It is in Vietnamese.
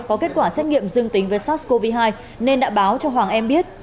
có kết quả xét nghiệm dương tính với sars cov hai nên đã báo cho hoàng em biết